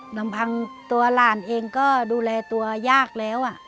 ลำพังตัวหลานเองก็ดูแลตัวยากแล้ว